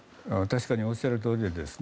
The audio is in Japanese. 確かにおっしゃるとおりです。